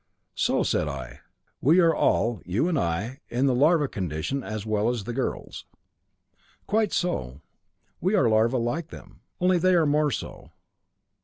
"So," said I, "we are all, you and I, in the larva condition as well as girls." "Quite so, we are larvæ like them, only they are more so.